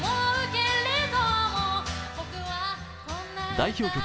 代表曲